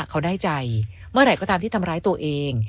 เขาได้ใจเมื่อไหร่ก็ตามที่ทำร้ายตัวเอง